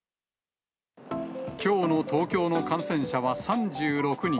きょうの東京の感染者は３６人。